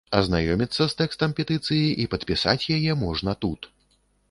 Азнаёміцца з тэкстам петыцыі і падпісаць яе можна тут.